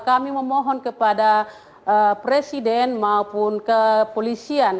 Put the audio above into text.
kami memohon kepada presiden maupun kepolisian